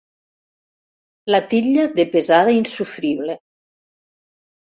La titlla de pesada insofrible.